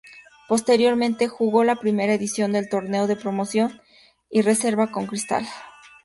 Posteriormente, jugó la primera edición del Torneo de Promoción y Reserva con Cristal.